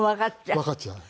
わかっちゃうの。